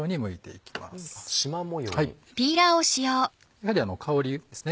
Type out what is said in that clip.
やはり香りですね